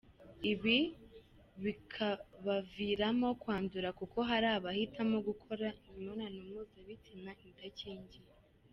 Ibi bikabaviramo kwandura kuko hari abahitamo gukora imibonano mpuzabitsina idakingiye.